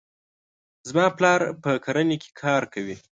زما پلار په کرنې کې کار کوي.